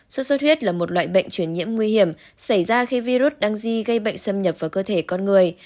suốt huyết là một loại bệnh truyền nhiễm nguy hiểm xảy ra khi virus đăng di gây bệnh xâm nhập vào cơ thể con người